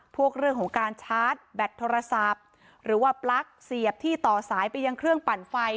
เรื่องของการชาร์จแบตโทรศัพท์หรือว่าปลั๊กเสียบที่ต่อสายไปยังเครื่องปั่นไฟ